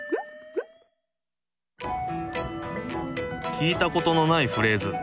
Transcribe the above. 聞いたことのないフレーズ。